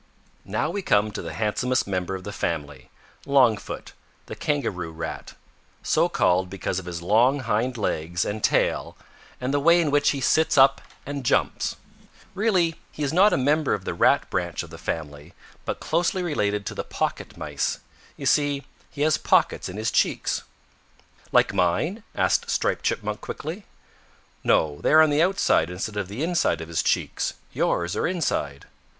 "Now we come to the handsomest member of the family, Longfoot the Kangaroo Rat, so called because of his long hind legs and tail and the way in which he sits up and jumps. Really he is not a member of the Rat branch of the family, but closely related to the Pocket Mice. You see, he has pockets in his cheeks." "Like mine?" asked Striped Chipmunk quickly. "No, they are on the outside instead of the inside of his cheeks. Yours are inside."